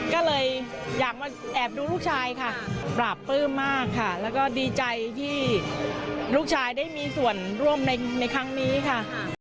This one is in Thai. ก็เลยอยากมาแอบดูลูกชายค่ะปราบปลื้มมากค่ะแล้วก็ดีใจที่ลูกชายได้มีส่วนร่วมในครั้งนี้ค่ะ